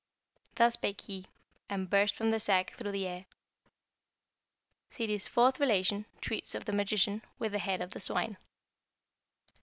Thus spake he, and burst from the sack through the air. Ssidi's fourth relation treats of the Magician with the head of the Swine.